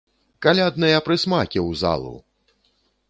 Калядныя прысмакі ў залу!